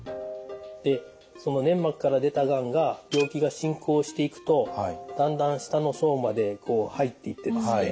でその粘膜から出たがんが病気が進行していくとだんだん下の層まで入っていってですね。